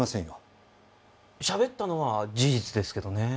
しゃべったのは事実ですけどね。